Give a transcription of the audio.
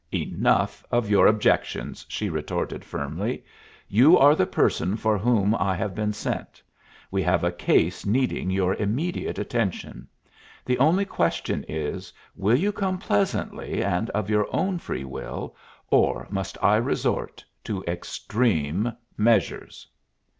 "Enough of your objections," she retorted firmly. "You are the person for whom I have been sent. We have a case needing your immediate attention. The only question is, will you come pleasantly and of your own free will, or must I resort to extreme measures?"